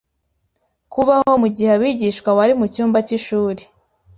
kubaho mu gihe abigishwa bari mu cyumba cy’ishuri